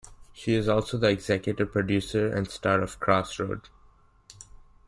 She is also the executive producer and star of "Crossroad".